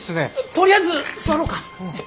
とりあえず座ろうか。